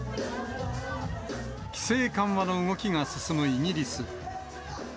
規制緩和の動きが進むイギリス。